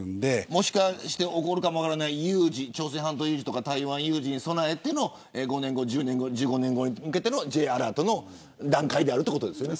もしかして起こるかもしれない朝鮮半島有事とか台湾有事に備えての５年後、１０年後１５年後に向けてのＪアラートの段階であるということですよね。